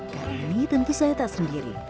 kali ini tentu saya tak sendiri